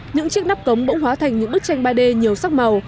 những chiếc nắp cống bỗng hóa thành những bức tranh ba d nhiều sắc màu